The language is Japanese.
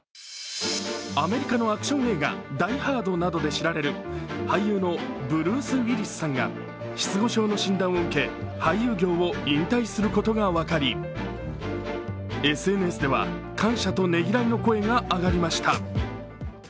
アメリカのアクション映画「ダイ・ハード」などで知れる俳優のブルース・ウィリスさんが失語症の診断を受け俳優業を引退することが分かり、ＳＮＳでは感謝とねぎらいの声が上がりました。